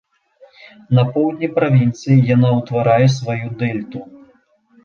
На поўдні правінцыі яна ўтварае сваю дэльту.